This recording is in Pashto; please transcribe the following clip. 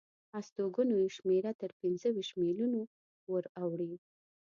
استوګنو یې شمېره تر پنځه ویشت میلیونو وراوړي.